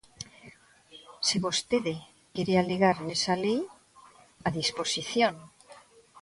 Se vostede quere alegar nesa lei, a disposición.